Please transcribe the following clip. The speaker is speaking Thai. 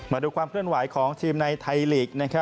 มาดูความเคลื่อนไหวของทีมในไทยลีก